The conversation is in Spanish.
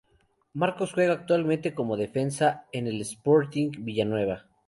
Marcos juega actualmente como defensa en el Sporting Villanueva.